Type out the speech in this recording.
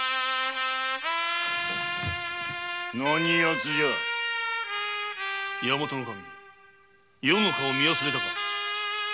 何ヤツじゃ大和守余の顔を見忘れたか。